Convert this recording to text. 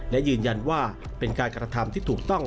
และยืนยันว่าเป็นการกระทำที่ถูกต้อง